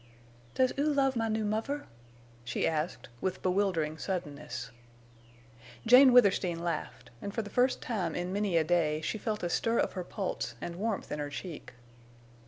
"Does oo love my new muvver?" she asked, with bewildering suddenness. Jane Withersteen laughed, and for the first time in many a day she felt a stir of her pulse and warmth in her cheek.